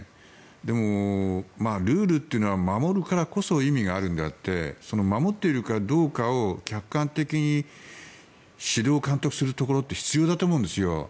でも、ルールというのは守るからこそ意味があるのであって守っているかどうかを客観的に指導・監督するところって必要だと思うんですよ。